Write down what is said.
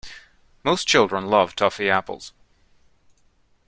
Most children love toffee apples